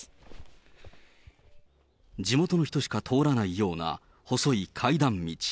地元の人しか通らないような、細い階段道。